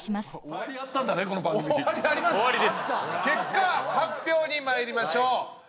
結果発表に参りましょう。